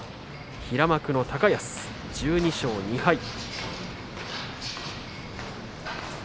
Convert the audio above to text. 平幕の高安、１２勝２敗。